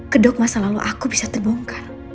kedok masa lalu aku bisa terbongkar